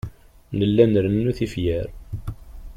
Nella nrennu tifyar.